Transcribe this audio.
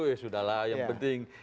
ya sudah lah yang penting